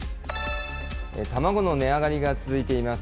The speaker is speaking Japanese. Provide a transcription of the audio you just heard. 卵の値上がりが続いています。